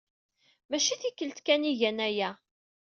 Maci tikkelt kan ay gan aya.